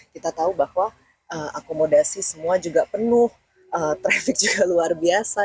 kita tahu bahwa akomodasi semua juga penuh traffic juga luar biasa